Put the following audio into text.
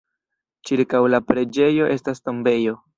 Ĉirkaŭ la preĝejo estas tombejo.